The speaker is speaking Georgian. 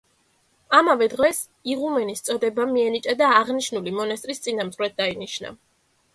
ამავე დღეს იღუმენის წოდება მიენიჭა და აღნიშნული მონასტრის წინამძღვრად დაინიშნა.